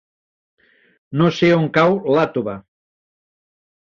No sé on cau Iàtova.